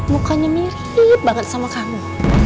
mukanya mirip banget sama kamu